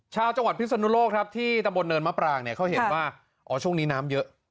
ชาวจังหวัดพิศนุโลกครับที่ตำบลเนินมะปรางเนี่ยเขาเห็นว่าอ๋อช่วงนี้น้ำเยอะ